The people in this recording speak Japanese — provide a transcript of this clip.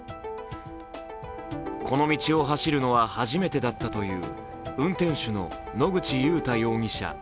この道を走るのは初めてだったという運転手の野口祐太容疑者